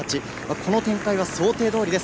この展開は想定どおりです